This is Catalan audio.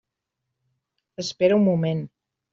Espera un moment.